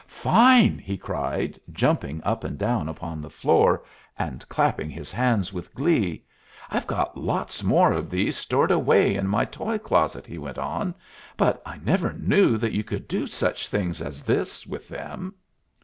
"Fine!" he cried, jumping up and down upon the floor and clapping his hands with glee. "I've got lots more of these stored away in my toy closet," he went on, "but I never knew that you could do such things as this with them."